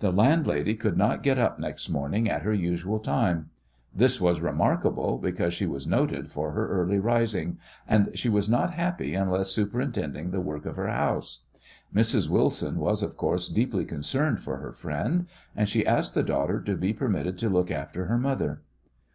The landlady could not get up next morning at her usual time. This was remarkable, because she was noted for her early rising, and she was not happy unless superintending the work of her house. Mrs. Wilson was, of course, deeply concerned for her friend, and she asked the daughter to be permitted to look after her mother.